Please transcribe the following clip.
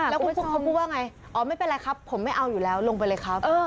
แล้วคุณปุ๊กเขาพูดว่าไงอ๋อไม่เป็นไรครับผมไม่เอาอยู่แล้วลงไปเลยครับ